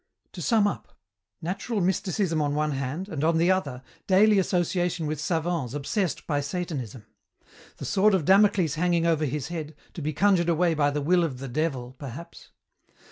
"To sum up: natural mysticism on one hand, and, on the other, daily association with savants obsessed by Satanism. The sword of Damocles hanging over his head, to be conjured away by the will of the Devil, perhaps.